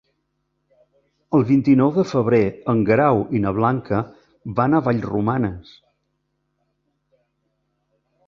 El vint-i-nou de febrer en Guerau i na Blanca van a Vallromanes.